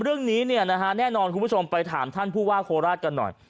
เรื่องนี้เนี่ยนะฮะแน่นอนคุณผู้ชมไปถามท่านผู้ว่าโคราชกันหน่อย